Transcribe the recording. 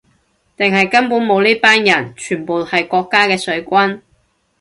定係根本冇呢班人，全部係國家嘅水軍